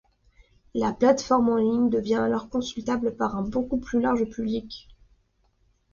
La plate-forme en ligne devient alors consultable par un beaucoup plus large public.